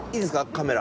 カメラ。